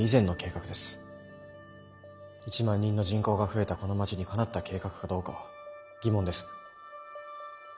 １万人の人口が増えたこの街にかなった計画かどうかは疑問です。